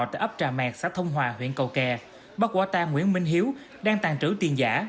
tại ấp trà mẹt xã thông hòa huyện cầu kè